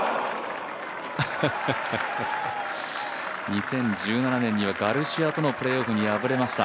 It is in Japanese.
２０１７年にはガルシアとのプレーオフに敗れました。